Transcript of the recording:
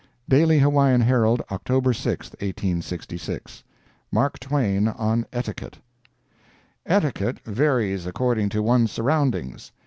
DAILY HAWAIIAN HERALD, October 6, 1866 MARK TWAIN ON ETIQUETTE. Etiquette varies according to one's surroundings.